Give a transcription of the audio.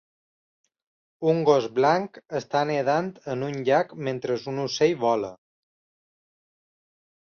Un gos blanc està nedant en un llac mentre un ocell vola.